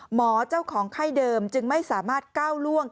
หมอเจ้าของไข้เดิมจึงไม่สามารถก้าวล่วง